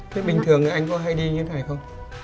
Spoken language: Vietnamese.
thế bình thường thì anh có hay đi như thế này không